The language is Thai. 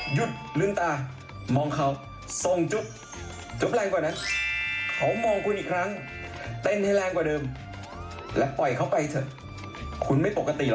หยุดลืมตามองเขาทรงจุ๊บจุ๊บแรงกว่านั้นเขามองคุณอีกครั้งเต้นให้แรงกว่าเดิมและปล่อยเขาไปเถอะคุณไม่ปกติห